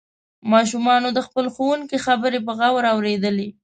ماشومانو د خپل ښوونکي خبرې په غور اوریدلې.